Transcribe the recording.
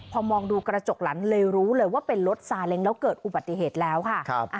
พอมองดูกระจกหลังเลยรู้เลยว่าเป็นรถซาเล้งแล้วเกิดอุบัติเหตุแล้วค่ะ